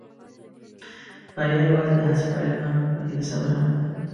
بریا یواځې د هڅې پایله نه، بلکې د صبر هم ده.